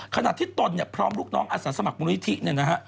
ขณะที่ตนเนี่ยพร้อมลูกน้องอาสาสมัครมูลนิธิเนี่ยนะฮะ